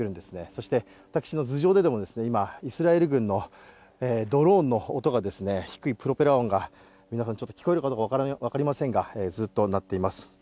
そして、私の頭上でもイスラエル軍のドローンの低いプロペラ音が聞こえるかどうか分かりませんが、ずっと鳴っています。